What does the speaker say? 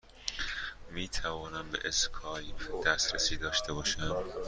می توانم به اسکایپ دسترسی داشته باشم؟